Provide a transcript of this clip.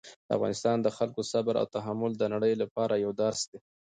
د افغانستان د خلکو صبر او تحمل د نړۍ لپاره یو درس دی.